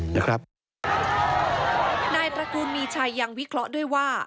นายตระกูลมีชัยยังวิเคราะห์ด้วยว่า